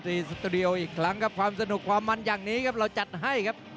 สตูดิโออีกครั้งครับความสนุกความมันอย่างนี้ครับเราจัดให้ครับ